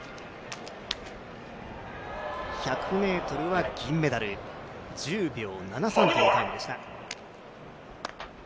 １００ｍは銀メダル１０秒７３というタイムでした。